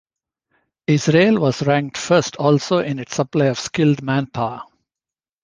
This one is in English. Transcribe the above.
Israel was ranked first also in its supply of skilled manpower.